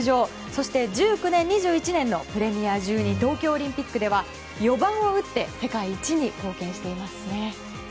そして１９年、２１年のプレミア１２東京オリンピックでは４番を打って世界一に貢献していますね。